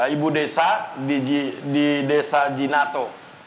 ibu desa di desa jinato